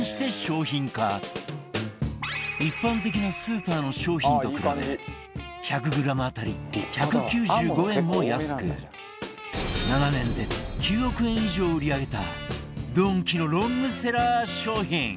一般的なスーパーの商品と比べ１００グラム当たり１９５円も安く７年で９億円以上売り上げたドンキのロングセラー商品